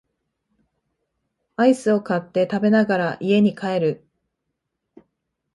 アイスを買って食べながら家に帰る